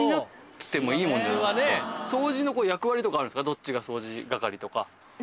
どっちが掃除係とか。